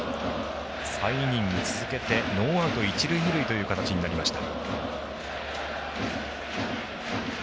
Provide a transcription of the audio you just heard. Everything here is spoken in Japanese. ３イニング続けてノーアウト、一塁二塁という形になりました。